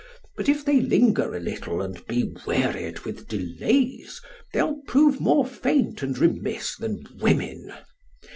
But if they linger a little and be wearied with delays, they'll prove more faint and remiss than women.